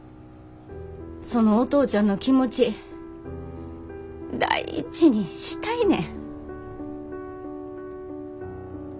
そのお父ちゃんの気持ち大事にしたいねん。